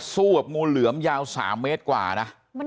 สู้กับงูเหลือมยาว๓เมตรกว่านะ